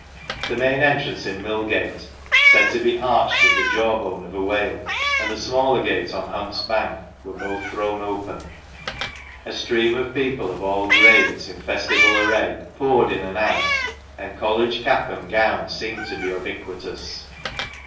The main entrance in Millgate (said to be arched with the jaw bone of a whale) and the smaller gate on Hunt's Bank, were both thrown open. A stream of people of all grades, in festival array, poured in and out, and College cap and gown seemed to be ubiquitous.